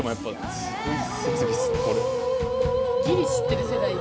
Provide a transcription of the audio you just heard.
ギリ知ってる世代ちゃう？